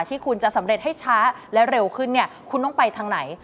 ที่คุณจะสำเร็จให้ช้าและเร็วขึ้นเนี่ยคุณต้องไปทางไหน